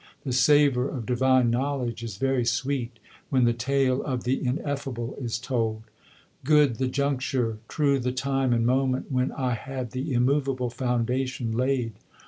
The savour of divine knowledge is very sweet when the tale of the Ineffable is told. Good the juncture, true the time and moment when I had the immovable foundation laid.